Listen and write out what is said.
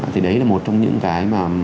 thì đấy là một trong những cái